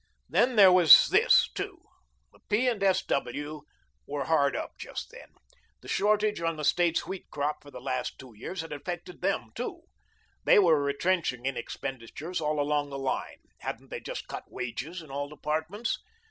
Then there was this, too: the P. and S. W. were hard up just then. The shortage on the State's wheat crop for the last two years had affected them, too. They were retrenching in expenditures all along the line. Hadn't they just cut wages in all departments?